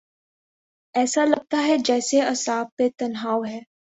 ایسا لگتاہے جیسے اعصاب پہ تناؤ ہے۔